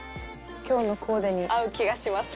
今日のコーデに合う気がします